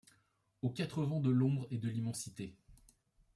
Aux quatre vents de l’ombre et de l’immensité !